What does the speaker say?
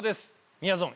みやぞん